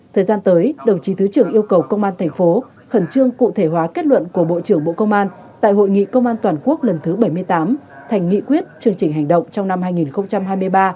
thời gian tới đồng chí thứ trưởng yêu cầu công an thành phố khẩn trương cụ thể hóa kết luận của bộ trưởng bộ công an tại hội nghị công an toàn quốc lần thứ bảy mươi tám thành nghị quyết chương trình hành động trong năm hai nghìn hai mươi ba